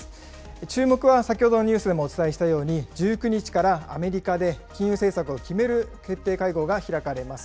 注目は先ほどのニュースでもお伝えしたように、１９日からアメリカで金融政策を決める決定会合が開かれます。